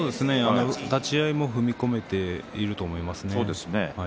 立ち合いも踏み込めていると思いますね。